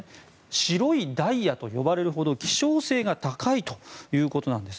白いダイヤと呼ばれるほど希少性が高いということです。